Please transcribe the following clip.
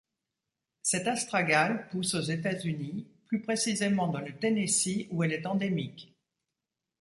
Cette astragale pousse aux États-Unis, plus précisément dans le Tennessee où elle est endémique.